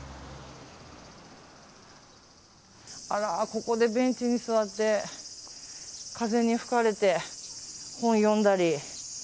ここでベンチに座って風に吹かれて本読んだり。